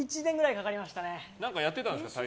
やってたんですか？